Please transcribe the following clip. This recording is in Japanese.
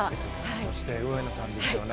そして上野さんですよね。